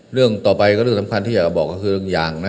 เรื่องต่อไปเรื่องสำคัญที่อยากบอกคือเรื่องยาง